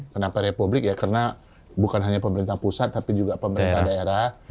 kenapa republik ya karena bukan hanya pemerintah pusat tapi juga pemerintah daerah